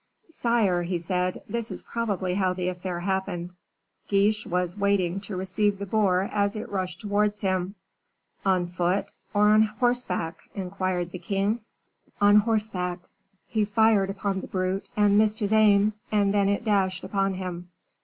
"Sire," he said, "this is probably how the affair happened. Guiche was waiting to receive the boar as it rushed towards him." "On foot or on horseback?" inquired the king. "On horseback. He fired upon the brute and missed his aim, and then it dashed upon him."